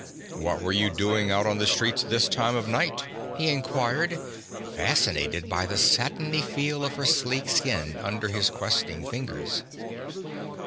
'What were you doing out on the streets this time of night?' he inquired, fascinated by the satiny feel of her sleek skin under his questing fingers.